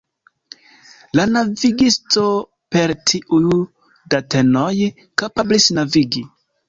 La navigisto per tiuj datenoj kapablis navigi.